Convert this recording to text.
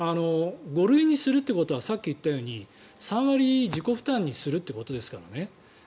５類にするっていうことはさっき言ったみたいに３割自己負担にするってことですからね。